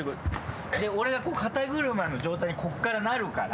で俺がこう肩車の状態にここからなるから。